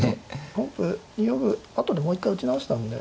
本譜２四歩あとでもう一回打ち直したんで。